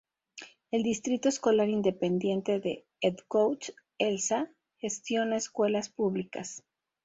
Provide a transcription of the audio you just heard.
El Distrito Escolar Independiente de Edcouch-Elsa gestiona escuelas públicas.